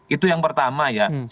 itu yang pertama ya